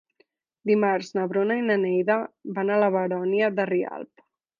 Dimarts na Bruna i na Neida van a la Baronia de Rialb.